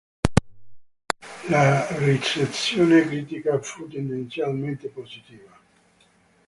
La ricezione critica fu tendenzialmente positiva.